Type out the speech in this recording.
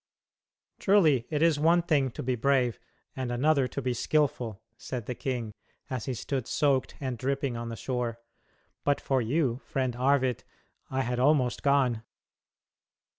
"Truly it is one thing to be brave and another to be skilful," said the king, as he stood soaked and dripping on the shore. "But for you, friend Arvid, I had almost gone."